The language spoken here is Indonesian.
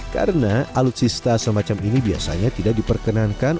karena alutsista semacam ini biasanya tidak diperkenalkan